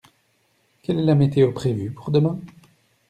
Quelle est la météo prévue pour demain?